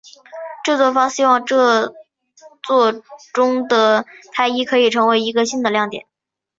制作方希望这作中的泰伊可以成为一个新的亮点。